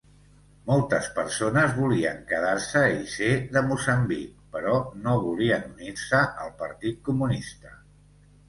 Moltes persones volien quedar-se i ser de Moçambic, però no volien unir-se al partit comunista.